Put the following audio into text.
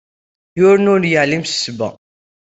Yiwen ur yeɛlim s ssebba.